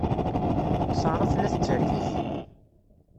Sarah tella tettergigi.